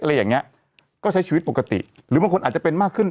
อะไรอย่างเงี้ยก็ใช้ชีวิตปกติหรือบางคนอาจจะเป็นมากขึ้น